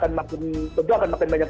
akan makin banyak